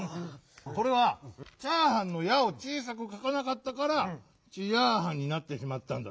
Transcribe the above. これは「チャーハン」の「ヤ」をちいさくかかなかったから「チヤーハン」になってしまったんだな。